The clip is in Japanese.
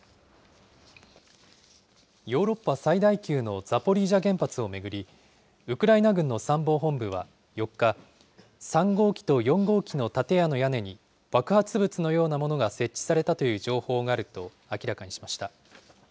ヨーロッパ最大級のザポリージャ原発を巡り、ウクライナ軍の参謀本部は４日、３号機と４号機の建屋の屋根に爆発物のようなものが設置されたという情報があると明らかにしました。